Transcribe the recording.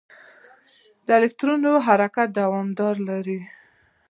د الکترون حرکت دوام لري.